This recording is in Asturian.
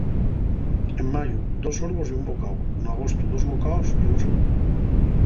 En mayu, dos sorbos y un bocáu; n'agostu, dos bocaos y un sorbu.